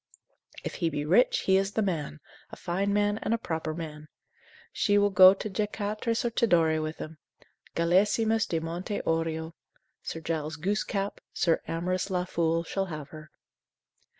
If he be rich, he is the man, a fine man, and a proper man, she will go to Jacaktres or Tidore with him; Galesimus de monte aureo. Sir Giles Goosecap, Sir Amorous La Fool, shall have her.